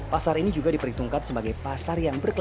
pasar ini juga diperhitungkan sebagai pasar yang berkembang